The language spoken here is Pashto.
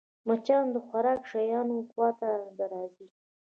مچان د خوراکي شيانو خوا ته راځي